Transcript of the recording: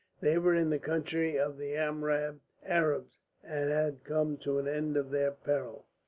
They were in the country of the Amrab Arabs, and had come to an end of their peril.